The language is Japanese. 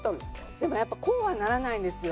でもやっぱこうはならないんですよ。